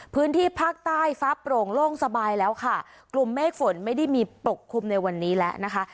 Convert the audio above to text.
พื้นที่ภาคใต้ฟ้าโปร่งโล่งสบายแล้วค่ะกลุ่มเมฆฝนไม่ได้มีปกคลุมในวันนี้แล้วนะคะ